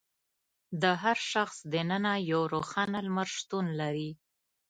د هر شخص دننه یو روښانه لمر شتون لري.